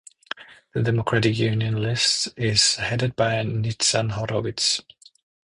The Democratic Union list is headed by Nitzan Horowitz.